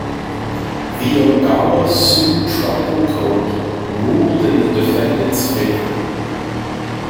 The Oglala Sioux Tribal Court ruled in the defendants' favor.